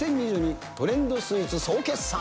２０２２トレンドスイーツ総決算。